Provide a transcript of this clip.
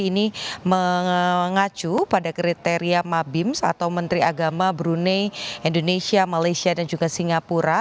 ini mengacu pada kriteria mabims atau menteri agama brunei indonesia malaysia dan juga singapura